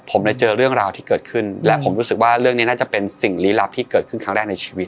ผมได้เจอเรื่องราวที่เกิดขึ้นและผมรู้สึกว่าเรื่องนี้น่าจะเป็นสิ่งลี้ลับที่เกิดขึ้นครั้งแรกในชีวิต